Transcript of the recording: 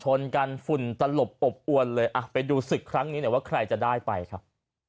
ชนกันฝุ่นตลบอบอวนเลยอ่ะไปดูศึกครั้งนี้หน่อยว่าใครจะได้ไปครับ